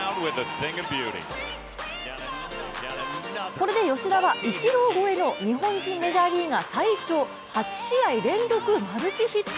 これで吉田はイチロー超えの日本人メジャーリーガー最長８試合連続マルチヒット。